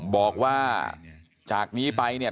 บอกว่าจากนี้ไปเนี่ย